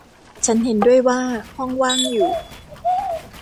ฉันเห็นด้วยว่าห้องว่างอยู่